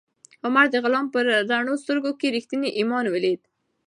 عمر د غلام په رڼو سترګو کې ریښتینی ایمان ولید.